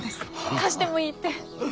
貸してもいいって！